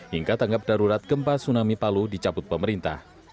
hingga tanggap darurat gempa tsunami palu dicabut pemerintah